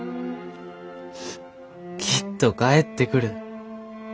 きっと帰ってくる。